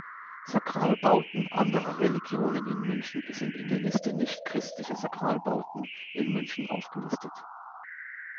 Sakralbauten anderer Religionen in München sind in der Liste nichtchristlicher Sakralbauten in München aufgelistet.